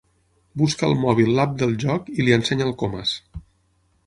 Busca al mòbil l'App del joc i li ensenya al Comas.